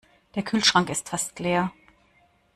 Der Kühlschrank ist fast leer.